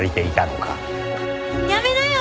やめなよ！